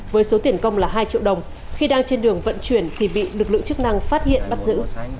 với số tiền công là hai triệu đồng khi đang trên đường vận chuyển thì bị lực lượng chức năng phát hiện bắt giữ